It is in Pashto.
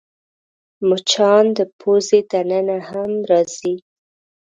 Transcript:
مچان د پوزې دننه هم راځي